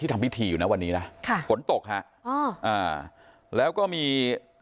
ทำพิธีอยู่นะวันนี้นะค่ะฝนตกฮะอ๋ออ่าแล้วก็มี